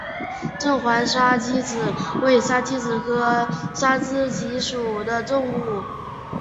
正环沙鸡子为沙鸡子科沙子鸡属的动物。